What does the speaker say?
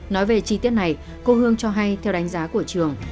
nói về chi tiết này cô hương cho hay theo đánh giá của trường